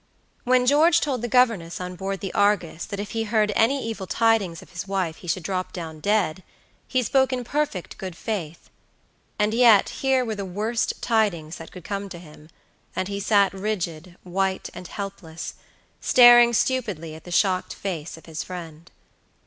When George told the governess on board the Argus that if he heard any evil tidings of his wife he should drop down dead, he spoke in perfect good faith; and yet, here were the worst tidings that could come to him, and he sat rigid, white and helpless, staring stupidly at the shocked face of his friend.